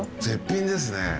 絶品ですね。